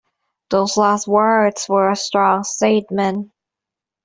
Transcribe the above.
Those last words were a strong statement.